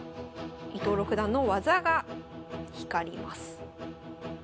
伊藤六段の技が光ります。